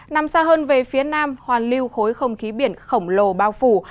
nằm xa hơn về phía nam hoàn lưu khối không khí biển khổng lồ bao phủ